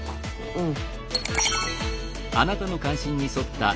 うん。